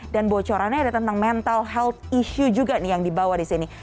dan bocorannya ada tentang mental health issue juga nih yang dibawa di sini